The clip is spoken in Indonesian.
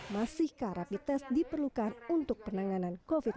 masih karak dites diperlukan untuk penanganan covid sembilan belas